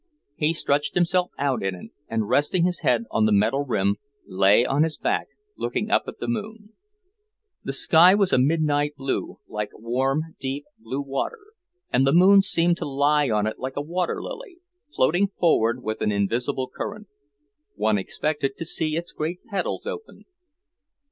He stretched himself out in it, and resting his head on the metal rim, lay on his back, looking up at the moon. The sky was a midnight blue, like warm, deep, blue water, and the moon seemed to lie on it like a water lily, floating forward with an invisible current. One expected to see its great petals open.